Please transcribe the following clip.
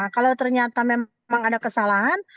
kalau ternyata memang ada kesalahan